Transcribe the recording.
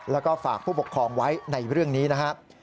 แล้วก็ฝากผู้ปกครองไว้ในเรื่องนี้นะครับ